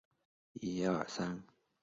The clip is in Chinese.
在约定的时间前来